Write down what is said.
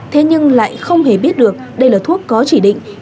thế nhưng lại không hề biết được đây là thuốc có chỉ định